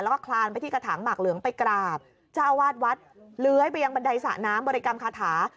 แล้วก็คลานไปที่กระถางหมากเหลืองไปกราบเจ้าวาดวัดเลื้อยไปยังบันไดสระน้ำบริกรรมคาถา